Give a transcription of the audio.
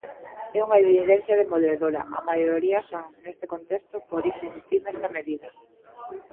É unha evidencia demoledora, a maioría son neste contexto, por iso insistir nesta medida.